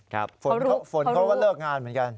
ครับเพราะรู้เพราะรู้ฝนก็ว่าเลิกงานเหมือนกัน